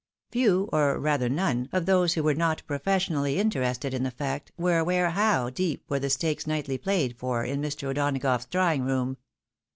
Few, or rather none, of those who were not professionally interested in the fact, were aware how deep were the stakes nightly played for in Mr. O'Donagough's drawing room.